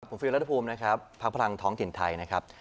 ผมฟิลรัฐภูมินะครับพักพลังท้องถิ่นไทยนะครับ